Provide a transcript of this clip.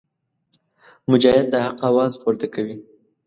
مجاهد د حق اواز پورته کوي.